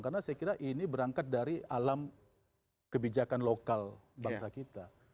karena saya kira ini berangkat dari alam kebijakan lokal bangsa kita